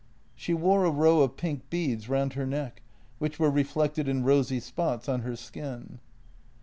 She wore a row of pink beads round her neck, which were reflected in rosy spots on her skin.